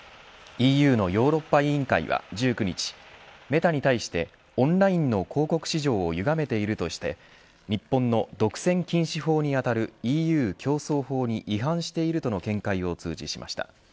ＥＵのヨーロッパ委員会は１９日メタに対してオンラインの広告市場をゆがめているとして日本の独占禁止法に当たるＥＵ競争法に違反しているとの見解を通知しました。